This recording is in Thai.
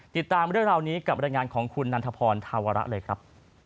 ติดตามเรื่องราวนี้กับบรรยายงานของคุณนันทพรธาวระเลยครับ